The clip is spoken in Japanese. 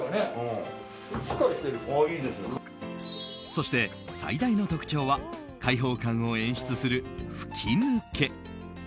そして、最大の特徴は開放感を演出する吹き抜け。